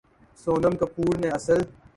سونم کپور نے اسل